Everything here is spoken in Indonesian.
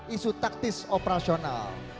isu taktis operasional